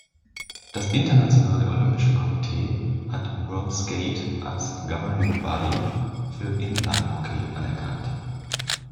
Das Internationale Olympische Komitee hat World Skate als "Governing Body" für Inlinehockey anerkannt.